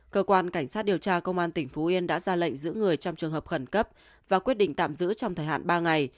cơ quan cảnh sát điều tra công an tỉnh phú yên đã ra lệnh giữ người trong trường hợp khẩn cấp và quyết định tạm giữ trong thời hạn ba ngày